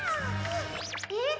えっ？